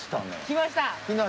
きました。